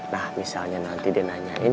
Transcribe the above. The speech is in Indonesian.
nah misalnya nanti dia nanyain